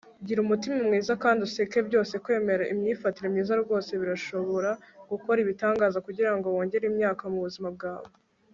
gira umutima mwiza kandi useke byose. kwemera imyifatire myiza rwose birashobora gukora ibitangaza kugirango wongere imyaka mubuzima bwawe